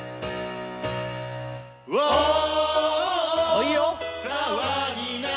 あいいよ！